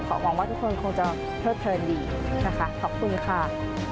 หวังว่าทุกคนคงจะเพลิดเพลินดีนะคะขอบคุณค่ะ